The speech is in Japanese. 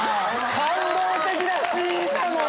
感動的なシーンなのよ！